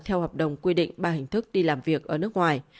theo hợp đồng quy định ba hình thức đi làm việc ở nước ngoài